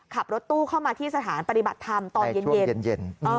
ขับรถตู้เข้ามาที่สถานปฏิบัติธรรมตอนเย็น